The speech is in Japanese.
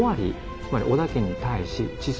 つまり織田家に対し「馳走」